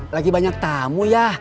lagi banyak tamu ya